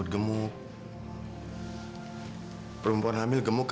terima kasih pak